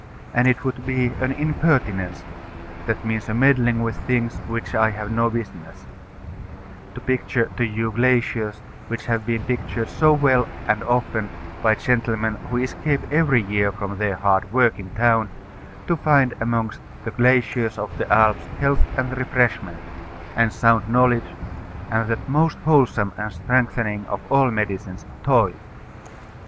And it would be an impertinence that means a meddling with things which I have no business to picture to you glaciers which have been pictured so well and often by gentlemen who escape every year from their hard work in town to find among the glaciers of the Alps health and refreshment, and sound knowledge, and that most wholesome and strengthening of all medicines, toil.